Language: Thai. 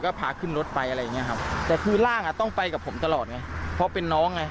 ก็พาขึ้นรถไปอะไรอย่างเงี้ครับแต่คือร่างอ่ะต้องไปกับผมตลอดไงเพราะเป็นน้องไง